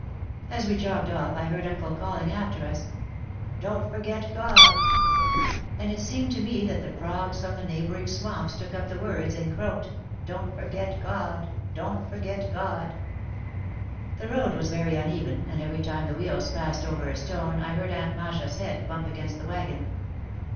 As we jogged off I heard uncle calling after us, "Don't forget God." And it seemed to me that the frogs from the neighbouring swamps took up the words and croaked, "Don't forget God! Don't forget God!" The road was very uneven, and every time the wheels passed over a stone I heard Aunt Masha's head bump against the wagon.